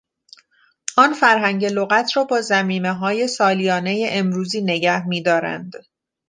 آن فرهنگ لغت را با ضمیمههای سالیانه امروزی نگه میدارند.